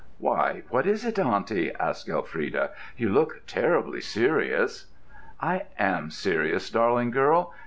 "Why, what is it, auntie?" asked Elfrida: "you look terribly serious." "I am serious, darling girl.